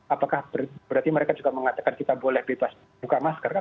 apakah berarti mereka juga mengatakan kita boleh bebas buka masker kan